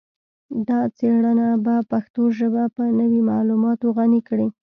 دا څیړنه به پښتو ژبه په نوي معلوماتو غني کړي